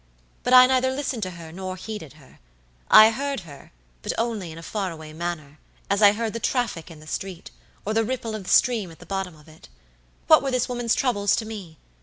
But I neither listened to her nor heeded her. I heard her, but only in a far away manner, as I heard the traffic in the street, or the ripple of the stream at the bottom of it. What were this woman's troubles to me?